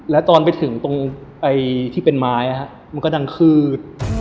แล้วตอนไปถึงตรงที่เป็นไม้มันก็ดังคืด